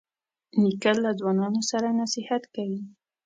نیکه له ځوانانو سره نصیحت کوي.